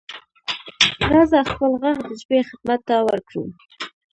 راځه خپل غږ د ژبې خدمت ته ورکړو.